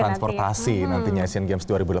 transportasi nantinya asian games dua ribu delapan belas